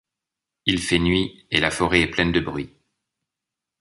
Il fait nuit, et la foret est pleine de bruits.